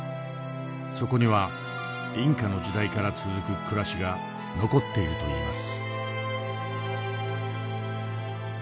そこにはインカの時代から続く暮らしが残っているといいます。